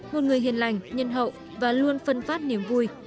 một người hiền lành nhân hậu và luôn phân phát niềm vui